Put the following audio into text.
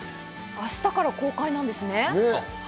明日から公開なんですね。